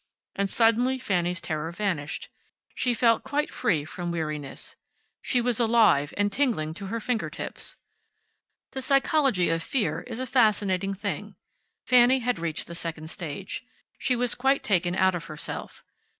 And suddenly Fanny's terror vanished. She felt quite free from weariness. She was alive and tingling to her fingertips. The psychology of fear is a fascinating thing. Fanny had reached the second stage. She was quite taken out of herself.